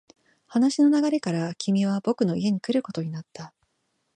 話の流れから、君は僕の家に来ることになった。